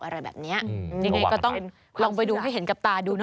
อะไรแบบนี้ยังไงก็ต้องลองไปดูให้เห็นกับตาดูเน